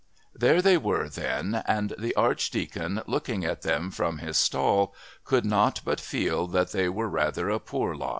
There they were then, and the Archdeacon, looking at them from his stall, could not but feel that they were rather a poor lot.